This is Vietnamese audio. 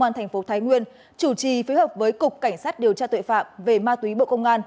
công an thành phố thái nguyên chủ trì phối hợp với cục cảnh sát điều tra tội phạm về ma túy bộ công an